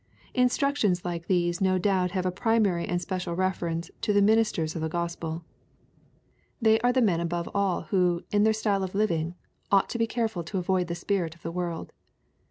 Instructions like these no doubt have a primary and special reference to the ministers of the QospeL They are the men above all who, in their style of living, ought to be careful to avoid the spirit of the world.